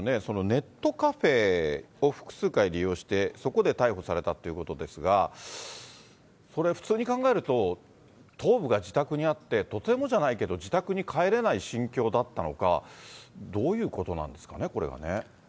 ネットカフェを複数回利用して、そこで逮捕されたということですが、これ、普通に考えると、頭部が自宅にあって、とてもじゃないけど自宅に帰れない心境だったのか、どういうことなんですかね、これはね。